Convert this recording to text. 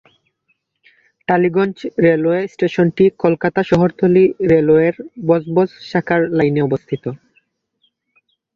Tollygunge railway স্টেশনটি কলকাতা শহরতলি রেলওয়ের বজবজ শাখার লাইনে অবস্থিত।